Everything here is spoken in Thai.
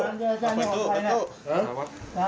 อาจารย์หัวใจนะ